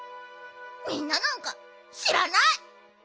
みんななんかしらない！